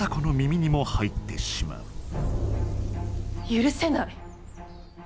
許せない。